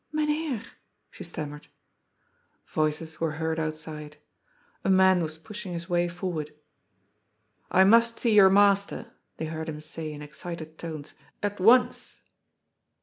^^ Myn Heer !" she stammered. Voices were heard outside. A man was pushing his way forward. ^^ I must see your master," they heard him say in excited tones, " at once."